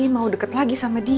mau deket lagi sama dia